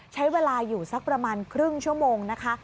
ใช้เวลาอยู่สักประมาณครึ่งชั่วโมงนะคะ